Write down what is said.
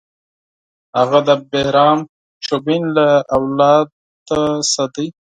هغه د بهرام چوبین له اولادې څخه دی.